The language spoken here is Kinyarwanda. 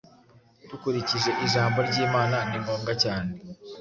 Dukurikije Ijambo ry’Imana, ni ngombwa cyane